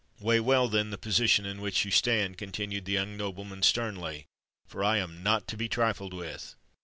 Weigh well, then, the position in which you stand," continued the young nobleman sternly: "for I am not to be trifled with!"